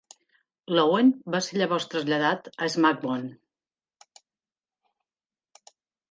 Loewen va ser llavors traslladat a SmackDown!